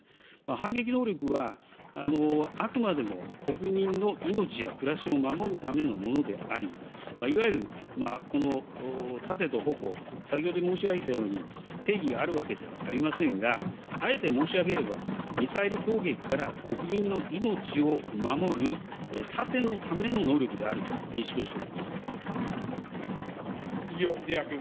反撃能力は、あくまでも国民の命や暮らしを守るためのものであり、いわゆる盾と矛、先ほど申し上げたように、定義があるわけではありませんが、あえて申し上げれば、ミサイル攻撃から国民の命を守る盾のための能力であると認識をし杉尾秀哉君。